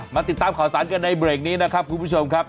มาติดตามข่าวสารกันในเบรกนี้นะครับคุณผู้ชมครับ